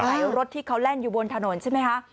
ให้รถที่เขาแล่นอยู่บนถนนใช่ไหมคะ